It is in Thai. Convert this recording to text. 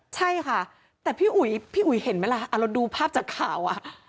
ใช่ค่ะแต่พี่อุ๋ยพี่อุ๋ยเห็นไหมล่ะเราดูภาพจากข่าว